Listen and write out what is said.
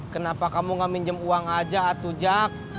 kenapa kamu nggak minjem uang aja atu jack